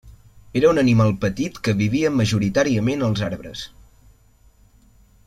Era un animal petit que vivia majoritàriament als arbres.